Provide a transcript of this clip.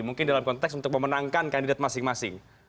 mungkin dalam konteks untuk memenangkan kandidat masing masing